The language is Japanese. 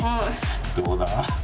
どうだ？